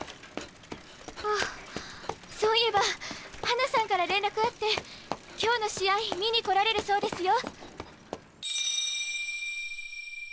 あっそういえば花さんから連絡あって今日の試合見に来られるそうですよ。